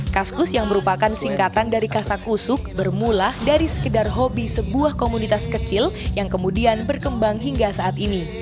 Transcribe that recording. kaskus yang merupakan singkatan dari kasakusuk bermula dari sekedar hobi sebuah komunitas kecil yang kemudian berkembang hingga saat ini